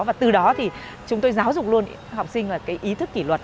và từ đó thì chúng tôi giáo dục luôn học sinh là cái ý thức kỷ luật